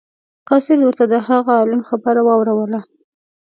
قاصد ورته د هغه عالم خبره واوروله.